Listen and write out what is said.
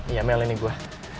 iya mel ini gue